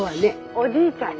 おじいちゃんが。